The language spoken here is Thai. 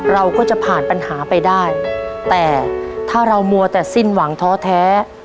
เราก็จะผ่านปัญหาไปได้แต่ถ้าเรามัวแต่สิ้นหวังท้อแท้